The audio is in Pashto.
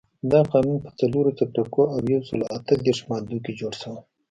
دا قانون په څلورو څپرکو او یو سلو اته دیرش مادو کې جوړ شوی.